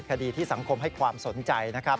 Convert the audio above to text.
คดีที่สังคมให้ความสนใจนะครับ